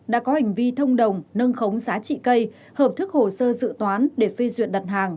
đã có hành vi thông đồng nâng khống giá trị cây hợp thức hồ sơ dự toán để phê duyệt đặt hàng